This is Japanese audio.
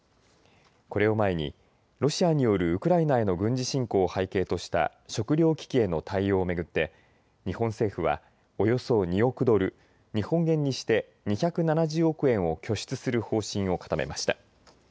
これを前にロシアによるウクライナへの軍事侵攻を背景とした食料危機への対応を巡って日本政府はおよそ２億ドル、日本円にして２７０億円を拠出する方針を固めました。